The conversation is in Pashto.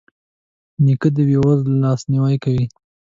نیکه د بې وزلو لاسنیوی کوي.